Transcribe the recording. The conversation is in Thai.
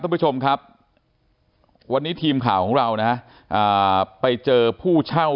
ท่านผู้ชมครับวันนี้ทีมข่าวของเรานะไปเจอผู้เช่า